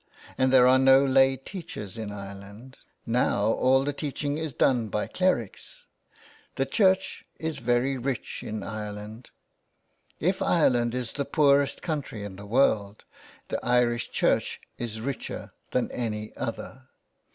And there are no lay teachers in Ireland, now all the teaching is done by clerics. The Church is very rich in Ireland. If Ireland is the poorest country in the world, the Irish Church is richer than any other.